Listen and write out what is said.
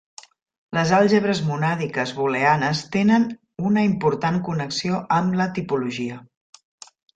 Les àlgebres monàdiques booleanes tenen una important connexió amb la topologia.